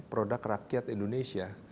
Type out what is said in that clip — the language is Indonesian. produk rakyat indonesia